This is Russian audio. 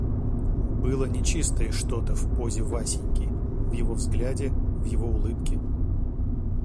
Было нечистое что-то в позе Васеньки, в его взгляде, в его улыбке.